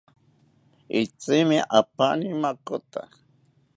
Itzimi apaani makota